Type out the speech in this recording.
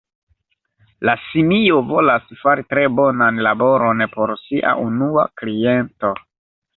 La simio volas fari tre bonan laboron por sia unua kliento.